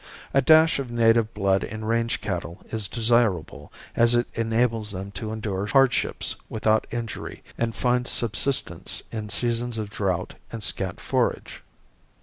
A dash of native blood in range cattle is desirable as it enables them to endure hardships without injury and find subsistence in seasons of drought and scant forage.